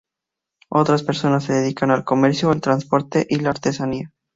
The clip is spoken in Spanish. Otras personas se dedican al comercio, el transporte y la artesanía.